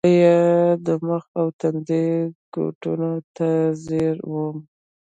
زۀ ئې د مخ او تندي کوتونو ته زیر ووم ـ